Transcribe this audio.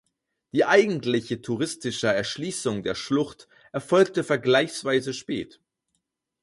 Die eigentliche touristische Erschließung der Schlucht erfolgte vergleichsweise spät.